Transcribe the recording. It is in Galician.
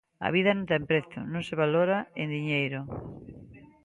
A vida non ten prezo, non se valora en diñeiro.